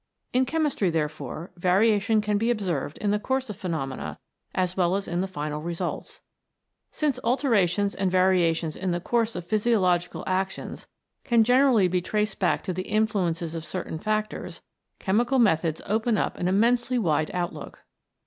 In chemistry, therefore, variation can be observed in the course of phenomena as well as in the final results. Since alterations and variations in the course of physiological actions can generally be traced back to the influences of 136 CHEMICAL VARIATION certain factors, chemical methods open up an immensely wide outlook.